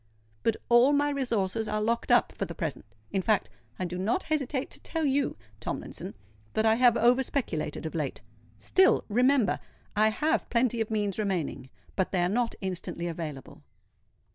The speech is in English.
But all my resources are locked up for the present:—in fact, I do not hesitate to tell you, Tomlinson, that I have over speculated of late. Still—remember—I have plenty of means remaining; but they are not instantly available."